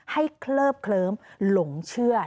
เคลิบเคลิ้มหลงเชื่อ